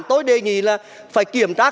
tôi đề nghị là phải kiểm tra